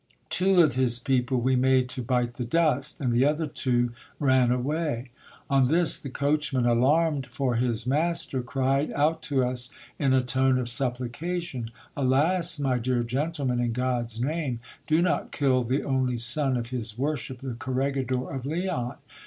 Two of his people we made to bite the dust, and the other two ran away. On this the coachman, alarmed for his master, cried out to us in a tone of supplication — Alas ! my dear gentlemen, in God's name, do not kill the only son of his worship the corregidor of Leon.